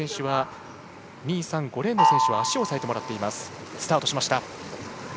２、３、５レーンの選手は足を押さえてもらっています。